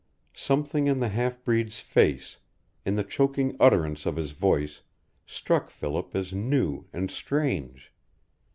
Something in the half breed's face, in the choking utterance of his voice, struck Philip as new and strange.